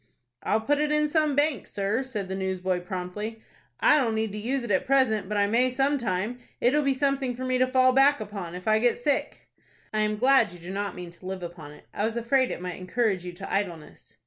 "I'll put it in some bank, sir," said the newsboy, promptly. "I don't need to use it at present, but I may some time. It'll be something for me to fall back upon, if I get sick." "I am glad you do not mean to live upon it. I was afraid it might encourage you to idleness."